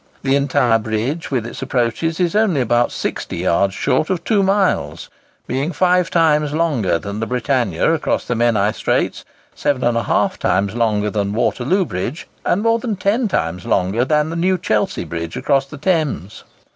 The entire bridge, with its approaches, is only about sixty yards short of two miles, being five times longer than the Britannia across the Menai Straits, seven and a half times longer than Waterloo Bridge, and more than ten times longer than the new Chelsea Bridge across the Thames!